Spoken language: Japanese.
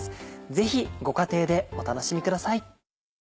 ぜひご家庭でお楽しみください。